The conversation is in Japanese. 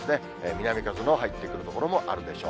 南風の入ってくる所もあるでしょう。